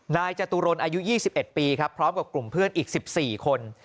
จตุรนอายุ๒๑ปีครับพร้อมกับกลุ่มเพื่อนอีก๑๔คน